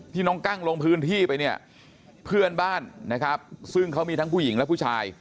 น้องกั้งลงพื้นที่ไปเนี่ยเพื่อนบ้านนะครับซึ่งเขามีทั้งผู้หญิงและผู้ชาย